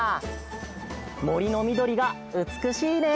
もりのみどりがうつくしいね！